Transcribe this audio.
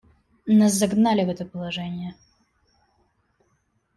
Нас загнали в это положение.